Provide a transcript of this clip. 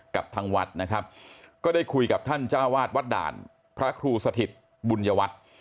กับทางวัดนะครับก็ได้คุยกับท่านเจ้าวาดวัดด่านพระครูสถิตบุญยวัตร